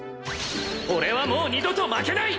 俺はもう二度と負けない！